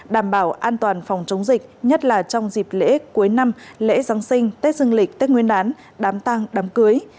đảm bảo an toàn phòng chống dịch nhất là trong dịp lễ cuối năm lễ giáng sinh tết dương lịch tết nguyên đán đám tăng đám cưới